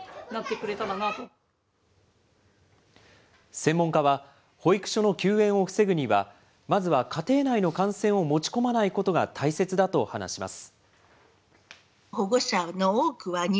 専門家は、保育所の休園を防ぐには、まずは家庭内の感染を持ち込まないことが大切だと話します。